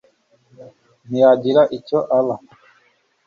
ntiyagira icyo aba